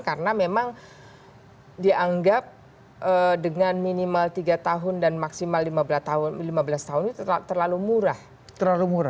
karena memang dianggap dengan minimal tiga tahun dan maksimal lima belas tahun ini terlalu murah